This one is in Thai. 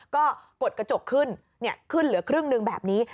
ก็กดกระจกขึ้นขึ้นเหลือครึ่งหนึ่งแบบนี้